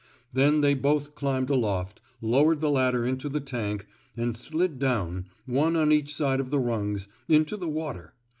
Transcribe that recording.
Then they both climbed aloft, lowered the ladder into the tank, and slid down, one on each side of the rungs, into the water.